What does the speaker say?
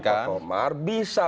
tapi pak komar bisa